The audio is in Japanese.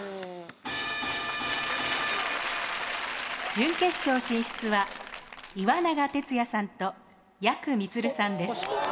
準決勝進出は岩永徹也さんとやくみつるさんです。